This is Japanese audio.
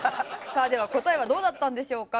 さあでは答えはどうだったんでしょうか？